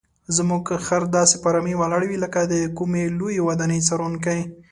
زموږ خر داسې په آرامۍ ولاړ وي لکه د کومې لویې ودانۍ څارونکی.